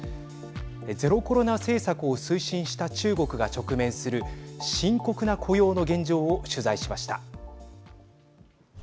ゼロコロナ政策を推進した中国が直面する深刻な雇用の現状を取材しました。